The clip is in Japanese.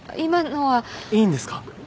いいんですか？